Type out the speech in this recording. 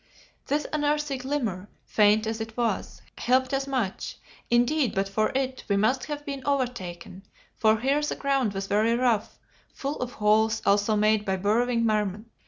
This unearthly glimmer, faint as it was, helped us much, indeed but for it we must have been overtaken, for here the ground was very rough, full of holes also made by burrowing marmots.